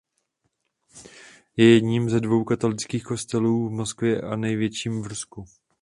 Je jedním ze dvou katolických kostelů v Moskvě a největším v Rusku.